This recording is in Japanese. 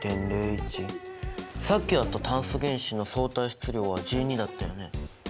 さっきやった炭素原子の相対質量は１２だったよね？